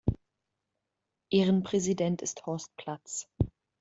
Ehrenpräsident ist Horst Platz.